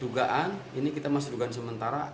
dugaan ini kita masih dugaan sementara